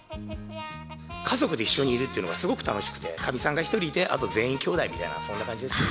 家族で一緒にいるっていうのが、すごく楽しくて、かみさんが１人いて、あと全員きょうだいみたいな、そんな感じですね。